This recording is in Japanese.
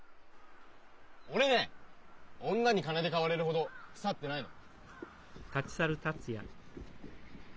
俺ね女に金で買われるほど腐ってないの。